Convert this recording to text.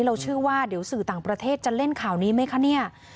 เราเชื่อว่าเดี๋ยวสื่อต่างประเทศจะเล่นข่าวนี้ไหมคะเนี่ย